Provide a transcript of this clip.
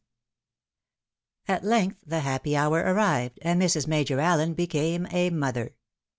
At length the happy hour arrived, and Mrs. Major AUen be came a mother.